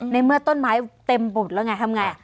ในเมื่อต้นไม้เต็มบุตรแล้วไงทำไง